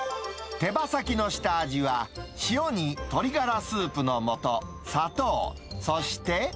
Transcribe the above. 手羽先の下味は、塩に鶏がらスープのもと、砂糖、そして。